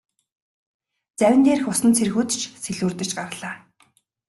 Завин дээрх усан цэргүүд ч сэлүүрдэж гарлаа.